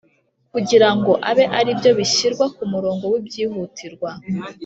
kugirango abe ari byo bishyirwa ku murongo w'ibyihutirwa.